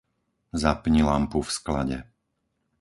Zapni lampu v sklade.